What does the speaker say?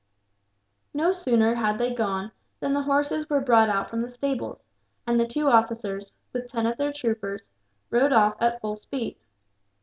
No sooner had they gone than the horses were brought out from the stables, and the two officers, with ten of their troopers, rode off at full speed.